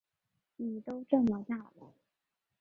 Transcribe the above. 妳都这么大了